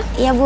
ini tasnya bu